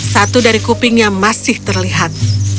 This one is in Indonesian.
satu dari kupingnya masih terlihat